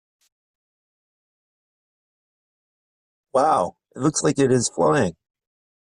Wow! It looks like it is flying!